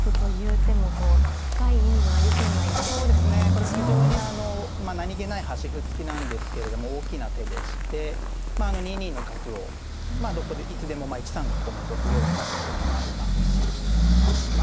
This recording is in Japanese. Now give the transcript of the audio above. これも非常に何気ない端歩突きなんですけれども大きな手でしてまああの２二の角をいつでもまあ１三角とのぞくような含みもありますしま